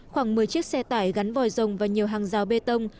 khoảng một mươi chiếc xe tải gắn vòi rồng và nhiều hàng rào bê tông